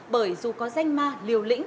bởi dù có danh ma liều lĩnh